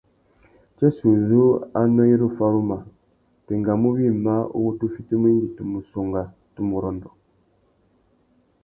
Tsêssê uzu anô i ru faruma, tu engamú wïmá uwú tu fitimú indi tu mù songha, tu mù rôndô.